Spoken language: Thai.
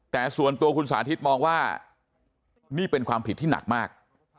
แต่ส่วนตัวคุณสาธิตมองว่านี่เป็นความผิดที่หนักมาก